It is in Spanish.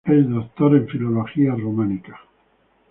Es doctor en Filología Románica.